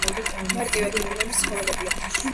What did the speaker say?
მარტივი აგებულების ცხოველებია.